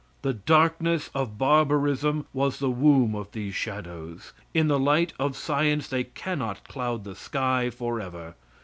The darkness of barbarism was the womb of these shadows. In the light of science they cannot cloud the sky forever.